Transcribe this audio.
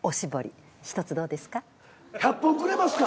１００本くれますか？